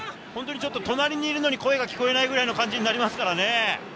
隣にいるのに声が聞こえないくらいの感じになりますよね。